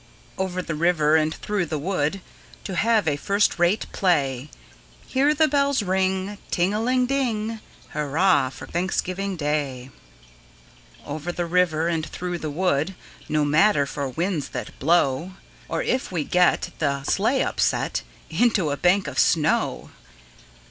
Over the river, and through the wood, To have a first rate play Hear the bells ring Ting a ling ding, Hurra for Thanksgiving Day! Over the river, and through the wood No matter for winds that blow; Or if we get The sleigh upset, Into a bank of snow.